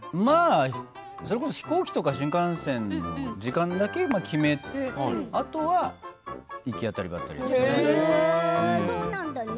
それこそ飛行機や新幹線の時間だけ決めてあとは行き当たりばったりですね。